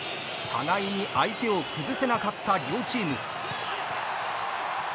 互いに相手を崩せなかった両チーム。